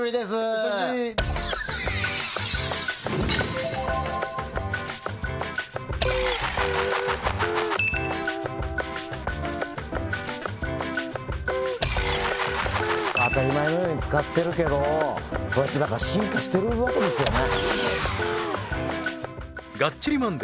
お久しぶり当たり前のように使ってるけどそうやってだから進化してるわけですよね